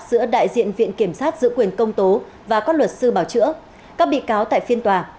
giữa đại diện viện kiểm sát giữ quyền công tố và các luật sư bảo chữa các bị cáo tại phiên tòa